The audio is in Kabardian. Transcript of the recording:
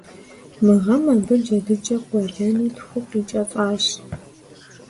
Мы гъэм абы джэдыкӀэ къуэлэну тху къикӀэцӀащ.